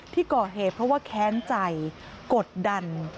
ที่ก่อเหตุเพราะว่าแค้นใจกดดัน